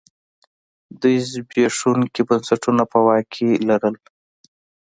دوی زبېښونکي بنسټونه په واک کې لرل.